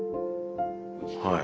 はい。